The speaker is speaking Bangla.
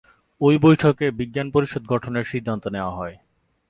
ঐ বৈঠকে বিজ্ঞান পরিষদ গঠনের সিদ্ধান্ত নেওয়া হয়।